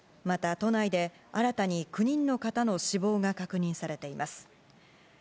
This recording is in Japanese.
また都内で新たに９人の方の死亡が確認されています。